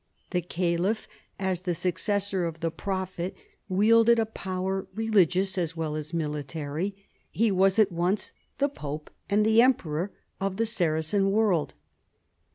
The caliph, as the successor of the Prophet, wielded a power religious as well as military ; he was at once the pope and the emperor of the Saracen world.